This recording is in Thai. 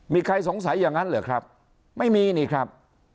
มีใครสงสัยอย่างนั้นเหรอครับไม่มีนี่ครับ